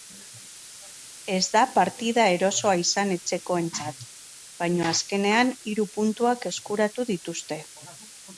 Ez da partida erosoa izan etxekoentzat, baina azkenean hiru puntuak eskuratu dituzte.